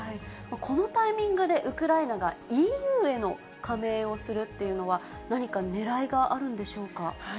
このタイミングでウクライナがＥＵへの加盟をするというのは、何かねらいがあるんでしょうか。